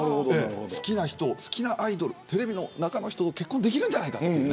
好きな人、好きなアイドルテレビの中の人と結婚できるんじゃないか。